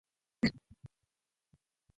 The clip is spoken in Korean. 영신은 북받쳐 오르는 설움을 참느라고 이를 악문다.